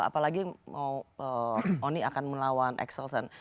apalagi mau oni akan melawan excelsen